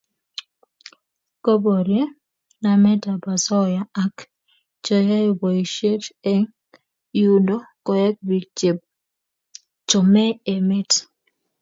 Koborie nametab osoya ak cheyoe boisiet eng yundo koek bik chechomei emet